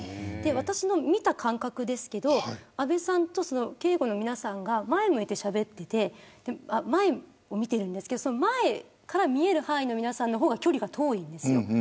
私の見た感覚ですけど安倍さんと警護の皆さんが前を向いてしゃべっていて前を見ているんですけれど前から見える範囲の皆さんの方が距離が遠いんですよ。